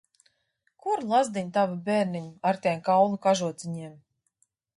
Kur, lazdiņ, tavi bērniņi, ar tiem kaula kažociņiem?